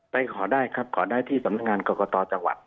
ขอได้ครับขอได้ที่สำนักงานกรกตจังหวัด